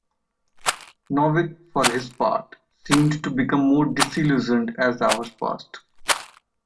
Novick, for his part, seemed to become more disillusioned as the hours passed.